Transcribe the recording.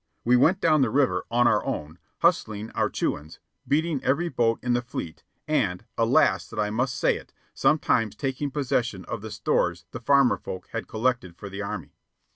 We went down the river "on our own," hustling our "chewin's," beating every boat in the fleet, and, alas that I must say it, sometimes taking possession of the stores the farmer folk had collected for the Army.